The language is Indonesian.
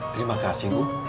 terima kasih ibu